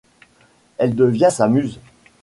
Elle devient sa muse.